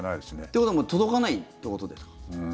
ということはもう届かないということですか？